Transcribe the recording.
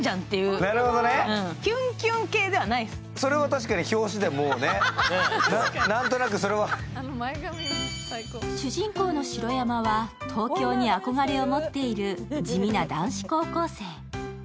確かに表紙でも、なんとなく主人公の白山は東京に憧れを持っている地味な男子高校生。